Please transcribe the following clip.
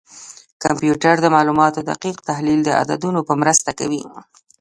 کمپیوټر د معلوماتو دقیق تحلیل د عددونو په مرسته کوي.